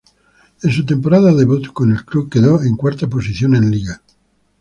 En su temporada debut, con el club quedó en cuarta posición en liga.